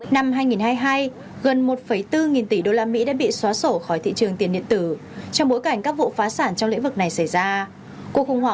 năm hai nghìn hai mươi hai gần một bốn nghìn tỷ đô la mỹ đã bị xóa sổ khỏi thị trường tiền điện tử trong bối cảnh các vụ phá sản trong lĩa vực này xảy ra